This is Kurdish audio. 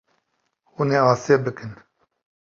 Hûn ê asê bikin.